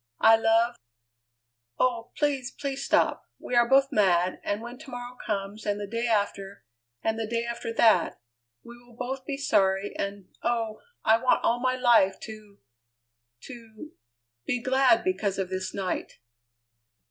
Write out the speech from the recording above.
I love " "Oh! please, please stop. We are both mad, and when to morrow comes and the day after, and the day after that, we will both be sorry, and, oh! I want all my life to to be glad because of this night."